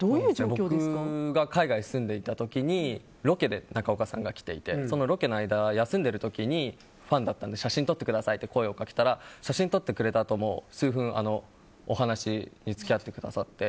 僕が海外に住んでいた時にロケで中岡さんが来ていて休んでいた時にファンだったので写真撮ってくださいと声をかけたら写真撮ってくれたあとも数分、お話に付き合ってくださって。